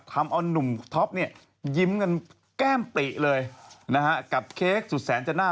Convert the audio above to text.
กระเทยเก่งกว่าเออแสดงความเป็นเจ้าข้าว